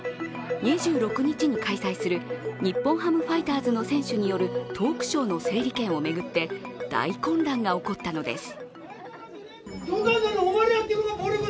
２６日に開催する日本ハムファイターズの選手によるトークショーの整理券を巡って大混乱が起こったのです。